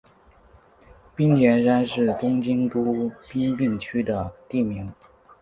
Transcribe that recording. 滨田山是东京都杉并区的地名。